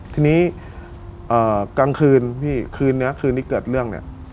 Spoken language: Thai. ทีนี้กลางคืนที่เกิดเรื่องเนี่ย